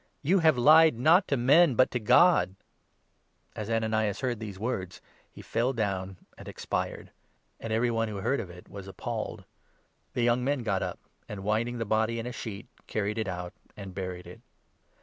You have lied, not to men, but to God !" As Ananias heard these words, he fell down and expired ; and 5 every one who heard of it was appalled. The young men got 6 up, and, winding the body in a sheet, carried it out and buried it.